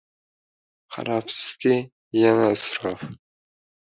qarabsizki, yana isrof.